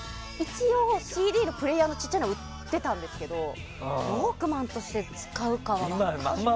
ＣＤのプレーヤーの小っちゃいのが売ってたんですけどウォークマンとして使うかは。